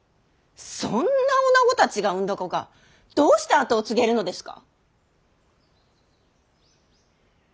そんな女子たちが産んだ子がどうして跡を継げるのですか。